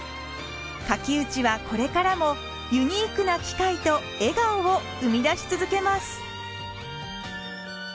垣内はこれからもユニークな機械と笑顔を生み出し続けます。